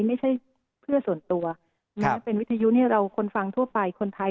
ไม่ใช่เพื่อส่วนตัวเป็นวิทยุคนฟังทั่วไปคนไทย